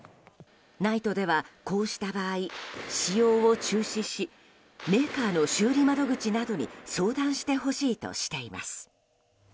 ＮＩＴＥでは、こうした場合使用を中止しメーカーの修理窓口などに相談してほしいとしています。